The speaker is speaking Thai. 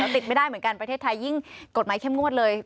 ติดไม่ได้เหมือนกันประเทศไทยยิ่งกฎหมายเข้มงวดเลย